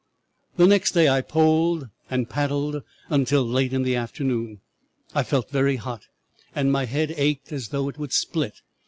"'The next day I poled and paddled until late in the afternoon. I felt very hot, and my head ached as though it would split.